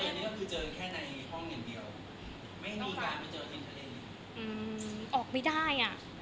แต่ลูกเจนก็คือเจอกันแค่ในห้องอย่างเดียว